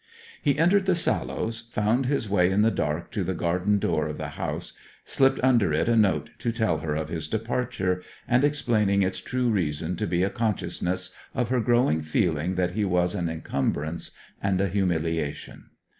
He entered the Sallows, found his way in the dark to the garden door of the house, slipped under it a note to tell her of his departure, and explaining its true reason to be a consciousness of her growing feeling that he was an encumbrance and a humiliation.